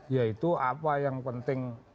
yaitu apa yang penting